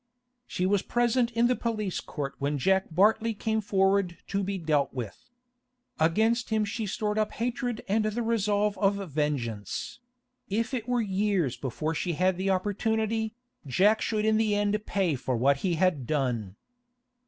She was present in the police court when Jack Bartley came forward to be dealt with. Against him she stored up hatred and the resolve of vengeance; if it were years before she had the opportunity, Jack should in the end pay for what he had done.